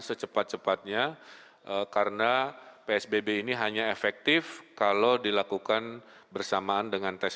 secepat cepatnya karena psbb ini hanya efektif kalau dilakukan bersamaan dengan tes